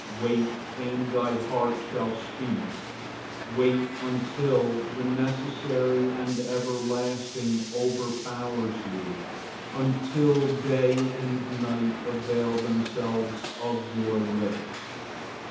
Wait, and thy heart shall speak. Wait until the necessary and everlasting overpowers you, until day and night avail themselves of your lips.